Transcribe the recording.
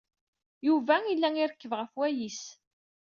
Yuba yella irekkeb ɣef wayis.